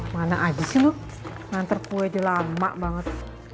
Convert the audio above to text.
mana aja sih lu nantar kue jauh lama banget